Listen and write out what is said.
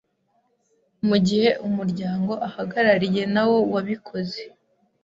mu gihe umuryango ahagarariye nawo wabikoze